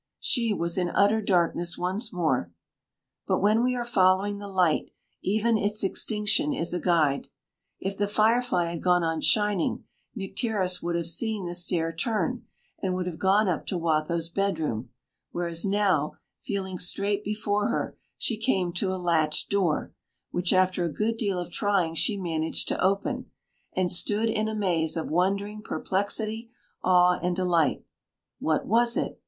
She was in utter darkness once more. But when we are following the light, even its extinction is a guide. If the fire fly had gone on shining, Nycteris would have seen the stair turn, and would have gone up to Watho's bedroom; whereas now, feeling straight before her, she came to a latched door, which after a good deal of trying she managed to open and stood in a maze of wondering perplexity, awe, and delight. What was it?